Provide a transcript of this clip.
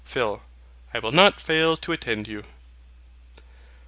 PHIL. I will not fail to attend you.